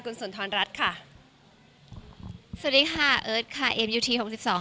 คุณสุนทรรัฐค่ะสวัสดีค่ะเอิร์ทค่ะเอ็มยูทีหกสิบสอง